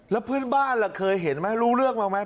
แล้วเพื่อนบ้านล่ะเคยเห็นไหมรู้เรื่องบ้างไหม